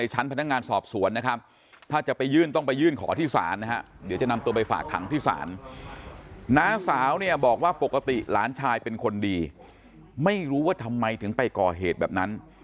หลานชายเป็นคนดีไม่รู้ว่าทำไมถึงไปก่อเหตุแบบนั้น